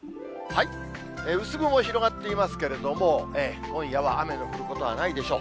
薄雲広がっていますけれども、今夜は雨の降ることはないでしょう。